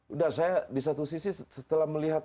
udah saya di satu sisi setelah melihat